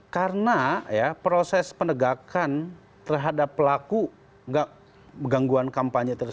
karena proses penegakan terhadap pelaku gangguan kampanye tersebut